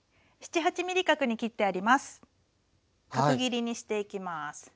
角切りにしていきます。